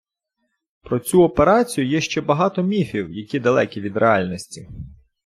Про цю операцію є ще багато міфів, які далекі від реальності.